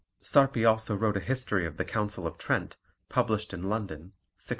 Sarpi wrote also a history of the Council of Trent, published in London, 1619.